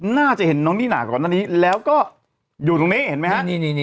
น่าจะเห็นน้องนิน่าก่อนหน้านี้แล้วก็อยู่ตรงนี้เห็นไหมฮะ